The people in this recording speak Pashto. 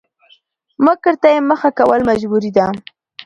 مکر ته يې مخه کول مجبوري ده؛